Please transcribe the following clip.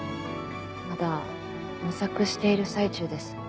まだ模索している最中です。